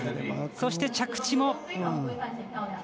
そして、着地も。